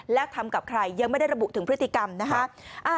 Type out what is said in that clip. แล้วทำกับใครยังไม่ได้ระบุถึงพฤติกรรมนะคะ